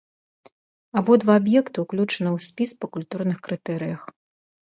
Абодва аб'екты ўключаны ў спіс па культурных крытэрыях.